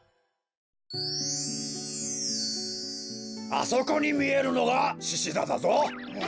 あそこにみえるのがししざだぞ！